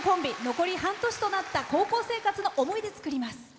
残り半年となった高校生活の思い出作ります。